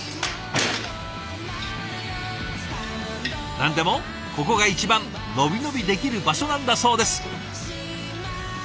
なんでもここが一番伸び伸びできる場所なんだそうです。